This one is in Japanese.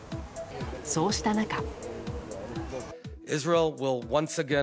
そうした中。